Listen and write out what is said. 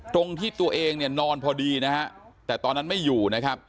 ตรงที่ตัวเองนอนพอดีแต่ตอนนั้นไม่อยู่